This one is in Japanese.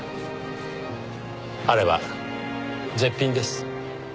あれは絶品です。